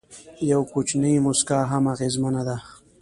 یو کوچنی موسکا هم اغېزمنه ده.